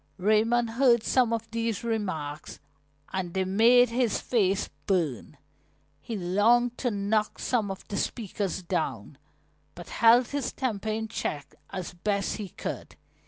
Raymond heard some of these remarks and they made his face burn. He longed to knock some of the speakers down, but held his temper in check as best he could.